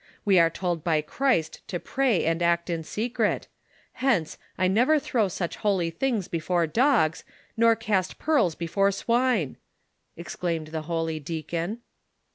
We are told by Christ to jn ay and act in secret ; hence, I never throw such holy things l)efore dogs, nor cast pearls before swine," exclaimed the holy deacon.